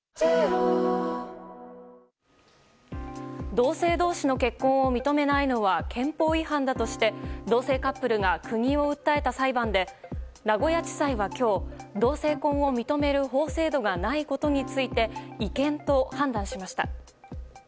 同性同士の結婚を認めないのは憲法違反だとして同性カップルが国を訴えた裁判で名古屋地裁は今日同性婚を認める法制度がないことについて違憲と判断しました。